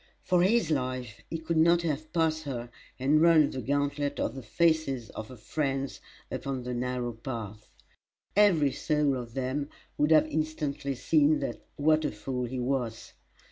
For his life he could not have passed her and run the gauntlet of the faces of her friends upon the narrow path. Every soul of them would have instantly seen what a fool he was.